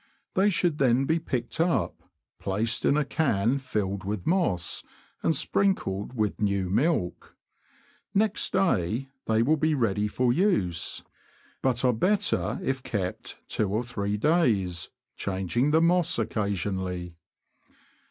They should then be picked up, placed in a can filled with moss, and sprinkled with new milk. Next day they will be ready for use, but are better if kept two or three days, changing the moss occasionally.